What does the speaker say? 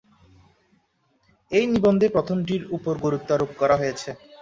এই নিবন্ধে প্রথমটির উপর গুরুত্বারোপ করা হয়েছে।